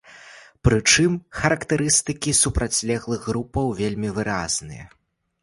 Прычым характарыстыкі супрацьлеглых групаў вельмі выразныя.